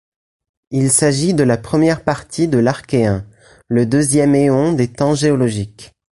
Il s'agit de la première partie de l'Archéen, le deuxième éon des temps géologiques.